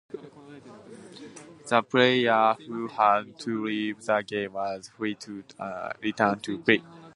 The player who had to leave the game was free to return to play.